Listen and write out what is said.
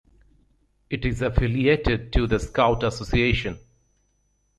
It is affiliated to the Scout Association.